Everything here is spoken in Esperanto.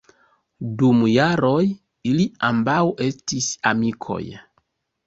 Dum jaroj ili ambaŭ estis amikoj.